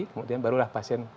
kemudian barulah pasien